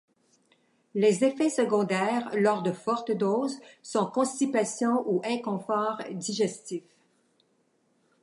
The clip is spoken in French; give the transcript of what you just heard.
Les effets secondaires, lors de fortes doses, sont constipation ou inconfort digestif.